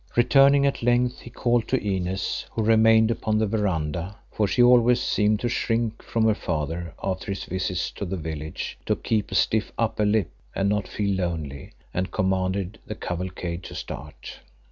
Returning at length, he called to Inez, who remained upon the veranda, for she always seemed to shrink from her father after his visits to the village, to "keep a stiff upper lip" and not feel lonely, and commanded the cavalcade to start.